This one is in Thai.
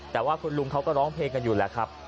แต่ว่าคุณลุงเขาก็ร้องเพลงกันอยู่แล้วครับ